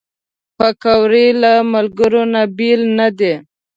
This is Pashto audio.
پکورې له ملګرو نه بېل نه دي